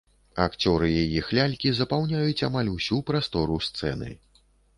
Акцёры і іх лялькі запаўняюць амаль усю прастору сцэны.